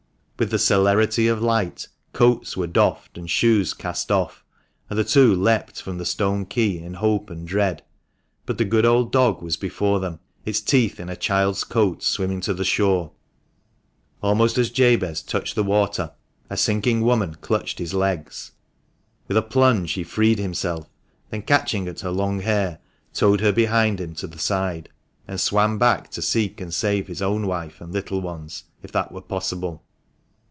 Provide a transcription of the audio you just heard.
With the celerity of light, coats were doffed and shoes cast off, and the two leaped from the stone quay in hope and dread, but the good old dog was before them, its teeth in a child's coat, swimming to the shore. Almost as Jabez touched the water, a sinking woman clutched his legs. With a plunge he freed himself, then catching at her long hair, towed her behind him to the side, and swam back to seek and save his own wife and little ones, if that were possible.